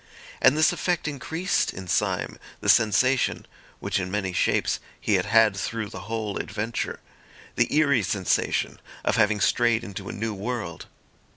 And this effect increased in Syme the sensation, which in many shapes he had had through the whole adventure, the eerie sensation of having strayed into a new world.